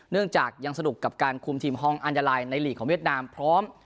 เนื่องจากยังสนุกกับการคุมทีมฮองอัญญาลัยในหลีกของเวียดนามพร้อม